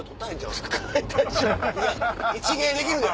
一芸できるで。